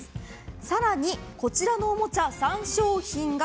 更に、こちらのおもちゃ３商品が